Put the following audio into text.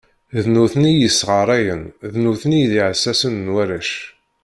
D nutni i yesɣarayen, d nutni i d iεessasen n warrac.